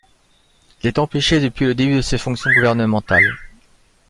Il est empêché depuis le début de ses fonctions gouvernementales.